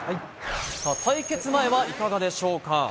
対決前はいかがでしょうか。